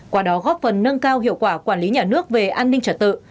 qua đó góp phần nâng cao hiệu quả quản lý nhà nước về an ninh trật tự